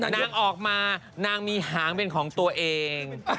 นางออกมานางมีหางเป็นของตัวเอง